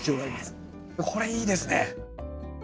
これいいですね！